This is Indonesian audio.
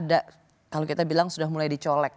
karena sudah mulai ada kalau kita bilang sudah mulai dicolek